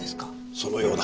そのようだ。